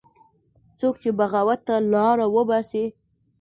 څوک چې بغاوت ته لاره وباسي